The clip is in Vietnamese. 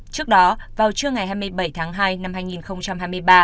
trước đó vào trưa ngày hai mươi bảy tháng hai năm hai nghìn hai mươi ba